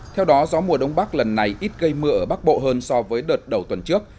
theo đó gió mùa đông bắc lần này ít gây mưa ở bắc bộ hơn so với đợt đầu tuần trước